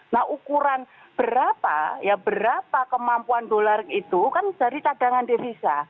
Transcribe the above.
nah ukuran berapa ya berapa kemampuan dolar itu kan dari cadangan devisa